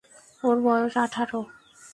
ওর বয়স আঠারো।